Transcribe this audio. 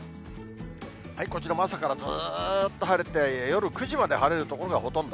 こちらも朝からずーっと晴れて、夜９時まで晴れる所がほとんど。